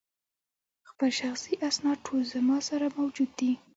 خپل شخصي اسناد ټول زما سره موجود دي.